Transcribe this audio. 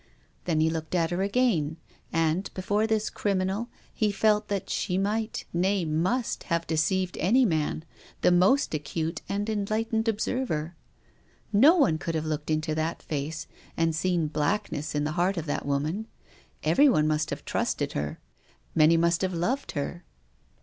Then he looked at her again and, before this criminal, he felt that she might, nay, must, have deceived any man, the most acute and enlightened ob server. No one could have looked into that face and seen blackness in the heart of that woman. Everyone must have trusted her. Many must have loved her.